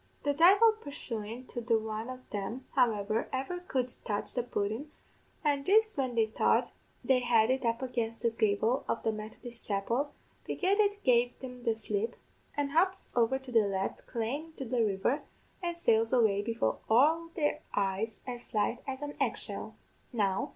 "The divle purshuin to the one of them, however, ever could touch the pudden, an' jist when they thought they had it up against the gavel of the Methodist chapel, begad it gave them the slip, and hops over to the left, clane into the river, and sails away before all their eyes as light as an egg shell.